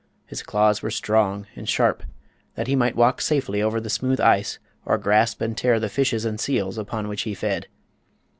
His claws were strong and sharp, that he might walk safely over the smooth ice or grasp and tear the fishes and seals upon which he fed.